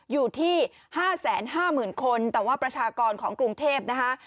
อยู่ที่๕๕๐๐๐คนแต่ว่าประชากรของกรุงเทพนะคะ